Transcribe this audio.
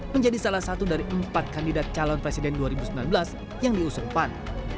menjadi salah satu dari empat kandidat calon presiden dua ribu sembilan belas yang diusung pan